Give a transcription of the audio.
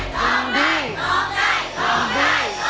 โทษให้โทษให้โทษให้โทษให้โทษให้